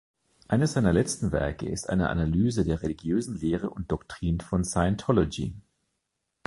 Eines seiner letzten Werke ist eine Analyse der religiösen Lehre und Doktrin von Scientology.